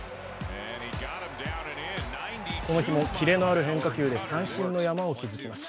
この日もキレのある変化球で三振の山を築きます。